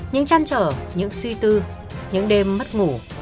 những trăn trở những suy tư những đêm mất ngủ